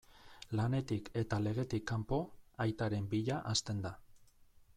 Lanetik eta legetik kanpo, aitaren bila hasten da.